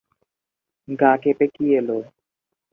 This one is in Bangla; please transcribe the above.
গা কেঁপে কি এল?